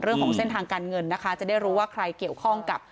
เรื่องของเส้นทางการเงินนะคะจะได้รู้ว่าใครเกี่ยวข้องกับ